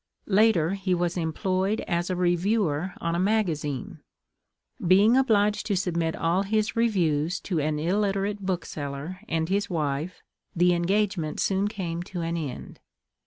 Later he was employed as a reviewer on a magazine. Being obliged to submit all his reviews to an illiterate bookseller and his wife, the engagement soon came to an end.